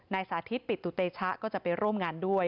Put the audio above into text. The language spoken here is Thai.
สาธิตปิตุเตชะก็จะไปร่วมงานด้วย